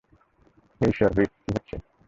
হে ঈশ্বর, হুইপ, কী হচ্ছে?